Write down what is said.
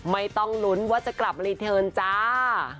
ไม่ต้องลุ้นว่าจะกลับรีเทิร์นจ้า